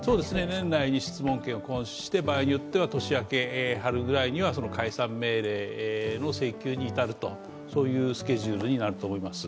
年内に質問権を行使して、場合によっては年明け、春ぐらいには解散命令の請求に至ると、そういうスケジュールになると思います。